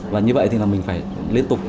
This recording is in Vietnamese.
và như vậy thì là mình phải liên tục